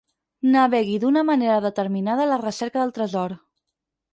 Navegui d'una manera determinada a la recerca del tresor.